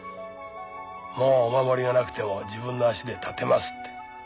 もうお守りがなくても自分の足で立てますって。